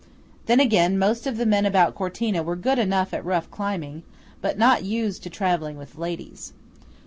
Then, again, most of the men about Cortina were good enough at rough climbing, but not used to travelling with ladies.